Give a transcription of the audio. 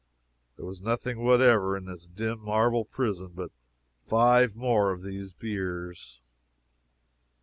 There was nothing whatever in this dim marble prison but five more of these biers.